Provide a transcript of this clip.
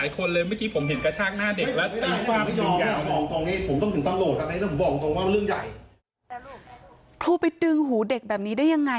ครูไปดึงหูเด็กแบบนี้ได้ยังไง